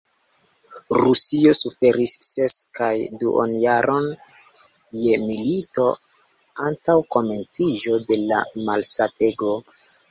Rusio suferis ses kaj duonjaron je milito, antaŭ komenciĝo de la malsatego.